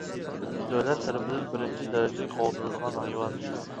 دۆلەت تەرىپىدىن بىرىنچى دەرىجىلىك قوغدىلىدىغان ھايۋان.